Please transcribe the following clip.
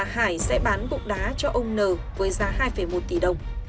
hải sẽ bán bụng đá cho ông n với giá hai một tỷ đồng